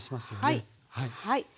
はい。